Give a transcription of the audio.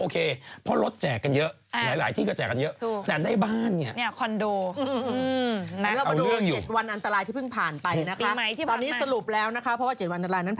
หรืระครับ